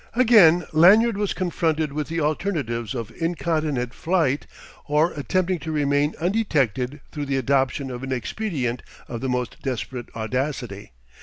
Again Lanyard was confronted with the alternatives of incontinent flight or attempting to remain undetected through the adoption of an expedient of the most desperate audacity.